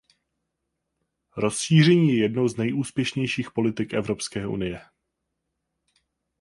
Rozšíření je jednou z nejúspěšnějších politik Evropské unie.